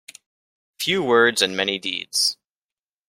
Few words and many deeds.